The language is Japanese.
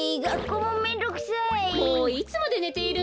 もういつまでねているの。